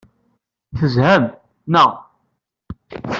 Tezham, naɣ?